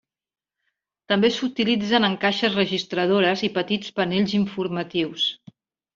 També s'utilitzen en caixes registradores i petits panells informatius.